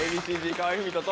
河合郁人と。